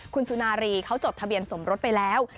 คุณสุนารีเขาจดทะเบียนสมรสไปแล้ว